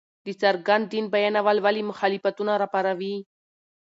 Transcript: د څرګند دين بيانول ولې مخالفتونه راپاروي!؟